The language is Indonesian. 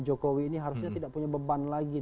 jokowi ini harusnya tidak punya beban lagi